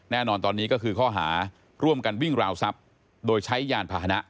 แน่นอนตอนนี้ก็คือข้อหาร่วมกันวิ่งราวทรัพย์โดยใช้ยานพาหนะ